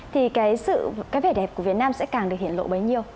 thì cái vẻ đẹp của việt nam sẽ càng được hiển lộ bấy nhiêu